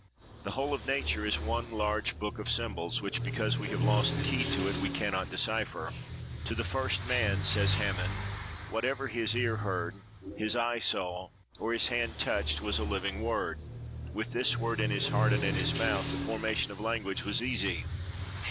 The whole of nature is one large book of symbols, which, because we have lost the key to it, we can not decipher. "To the first man," says Hamann, "whatever his ear heard, his eye saw, or his hand touched, was a living word; with this word in his heart and in his mouth, the formation of language was easy.